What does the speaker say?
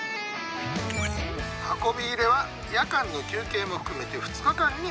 運び入れは夜間の休憩も含めて２日間にまたがったよ。